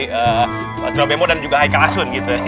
mengawasi trio bemo dan juga haika asun gitu